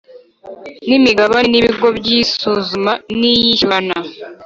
n imigabane n ibigo by isuzuma n iyishyurana